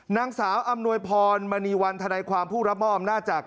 นางสาวอำนวยพรมณีวันธนายความผู้รับมอบอำนาจจาก